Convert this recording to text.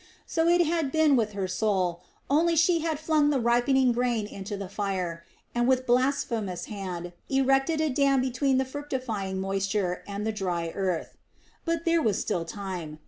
So it had been with her soul, only she had flung the ripening grain into the fire and, with blasphemous hand, erected a dam between the fructifying moisture and the dry earth. But there was still time!